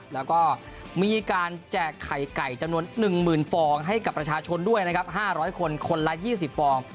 แล้วก็มีการแจกไข่ไก่จำนวน๑๐๐๐ฟองให้กับประชาชนด้วยนะครับ๕๐๐คนคนละ๒๐ฟอง